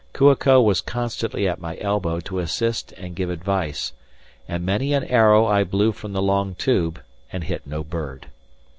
Kua ko was constantly at my elbow to assist and give advice; and many an arrow I blew from the long tube, and hit no bird.